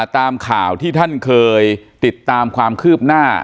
ตามข่าวที่ท่านเคยติดตามความคืบหน้า